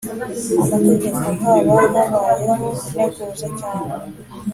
Amategeko haba habayeho integuza cyangwa